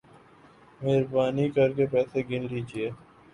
مہربانی کر کے پیسے گن لیجئے